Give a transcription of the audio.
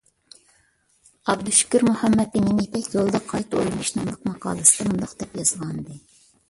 ئابدۇشۈكۈر مۇھەممەتئىمىن «يىپەك يولىدا قايتا ئويلىنىش» ناملىق ماقالىسىدە مۇنداق دەپ يازغانىدى.